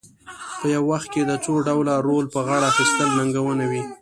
په یو وخت کې د څو ډوله رول په غاړه اخیستل ننګونه وي.